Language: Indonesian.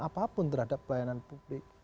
apapun terhadap pelayanan publik